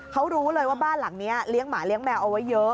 เขารู้เลยว่าบ้านหลังนี้เลี้ยงหมาเลี้ยงแมวเอาไว้เยอะ